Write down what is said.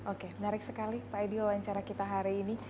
oke menarik sekali pak edi wawancara kita hari ini